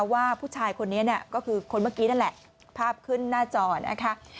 ว่าผู้ชายคนนี้ก็คือคนเมื่อกี้นั่นแหละภาพขึ้นหน้าจอนะคะ